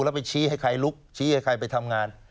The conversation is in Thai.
แล้วไปชี้ให้ใครลุกชี้ให้ใครไปทำงาน